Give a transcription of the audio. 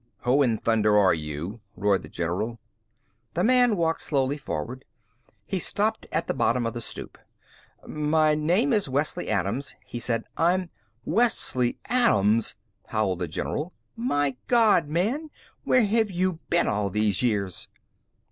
"Who in thunder are you?" roared the general. The man walked slowly forward. He stopped at the bottom of the stoop. "My name is Wesley Adams," he said. "I'm " "Wesley Adams!" howled the general. "My God, man, where have you been all these years?"